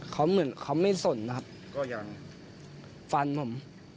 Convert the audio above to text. เขาเหมือนเขาไม่สนนะครับ